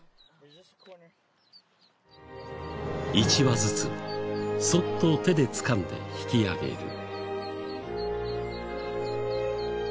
１羽ずつそっと手でつかんで引き上げる。